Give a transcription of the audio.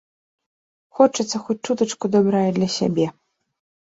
Хочацца хоць чутачку дабра і для сябе.